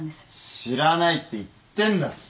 知らないって言ってんだろ！